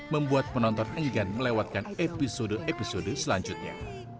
membuat penonton enggan melewatkan episode episode selanjutnya